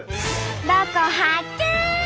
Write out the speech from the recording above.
ロコ発見！